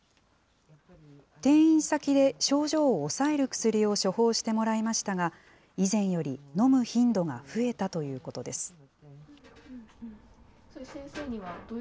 転院先で症状を抑える薬を処方してもらいましたが、以前より飲む頻度が増えたということです。